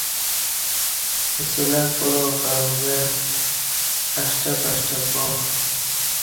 اڅلک پلاو کعو گہ اݜٹب اݜٹب با